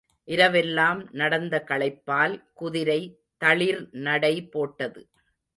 இரவெல்லாம் நடந்த களைப்பால், குதிரை தளிர்நடை போட்டது.